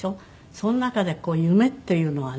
その中でこう夢っていうのはね